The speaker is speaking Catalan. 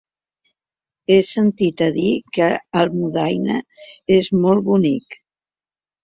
He sentit a dir que Almudaina és molt bonic.